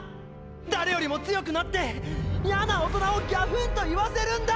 誰よりも強くなってやな大人をギャフンと言わせるんだ！